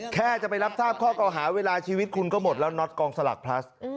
แค่จะไปรับทราบข้อเก่าหาเวลาชีวิตคุณก็หมดแล้วน็อตกองสลักพลัส